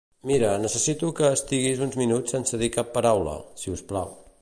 Mira, necessito que estiguis uns minuts sense dir cap paraula; si us plau.